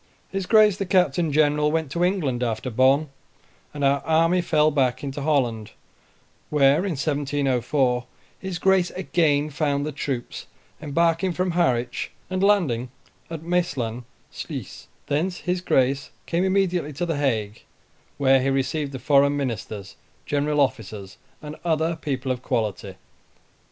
His Grace the Captain General went to England after Bonn, and our army fell back into Holland, where, in April 1704, his Grace again found the troops, embarking from Harwich and landing at Maesland Sluys: thence his Grace came immediately to the Hague, where he received the foreign ministers, general officers, and other people of quality.